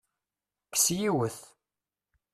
Kkes yiwet!